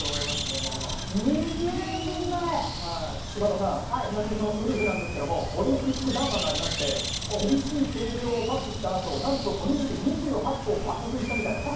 柴田さんちなみにそのウルフなんですけどもオリンピック談話がありまして厳しい計量をパスしたあとなんとおにぎり２８個を爆食いしたみたいです。